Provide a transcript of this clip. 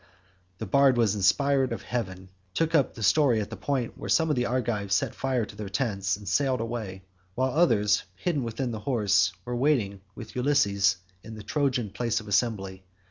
The bard inspired of heaven took up the story at the point where some of the Argives set fire to their tents and sailed away while others, hidden within the horse,73 were waiting with Ulysses in the Trojan place of assembly.